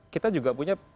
kita juga punya